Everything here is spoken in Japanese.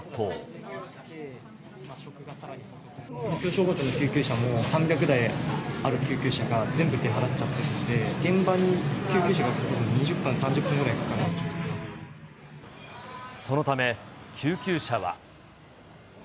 東京消防庁の救急車も、３００台ある救急車が、全部出払っちゃってるんで、現場に救急車が着くのに２０分、そのため、救急車は。